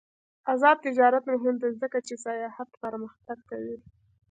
آزاد تجارت مهم دی ځکه چې سیاحت پرمختګ کوي.